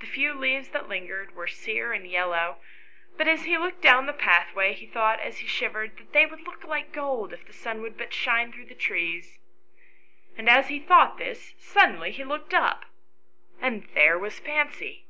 The few leaves that lingered were sere and yellow, but as he looked down the pathway he thought, as he shivered, that they would look like gold, if the sun would but shine through the trees. And as he thought this, suddenly he looked up, and there was Fancy.